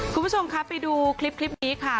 คุณผู้ชมครับไปดูคลิปนี้ค่ะ